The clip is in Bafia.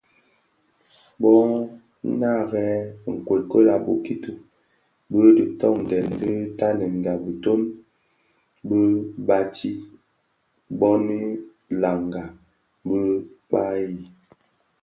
Bō narèn nkokuei a bokito bi dhi tondèn bi tanènga bitoň bi Bati (boni Nanga) bi Kpagi.